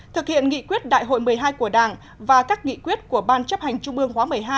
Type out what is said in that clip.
thực hiện nghị quyết đại hội một mươi hai của đảng và các nghị quyết của ban chấp hành trung ương khóa một mươi hai